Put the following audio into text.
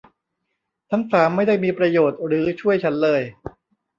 ทั้งสามไม่ได้มีประโยชน์หรือช่วยฉันเลย